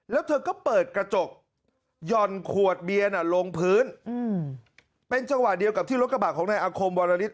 แล้วเธอก็เปิดกระจกหย่อนขวดเบียนลงพื้นเป็นจังหวะเดียวกับที่รถกระบะของนายอาคมวรลิศ